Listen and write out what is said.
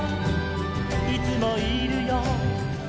「いつもいるよ」